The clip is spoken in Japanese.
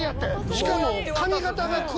しかも。